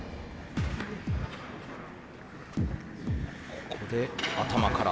ここで頭から。